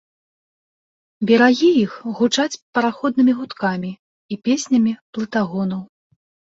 Берагі іх гучаць параходнымі гудкамі і песнямі плытагонаў.